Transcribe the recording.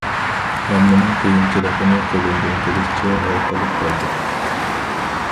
ئاممىنىڭ قىيىنچىلىقىنى قولۇمدىن كېلىشىچە ھەل قىلىپ بەردىم.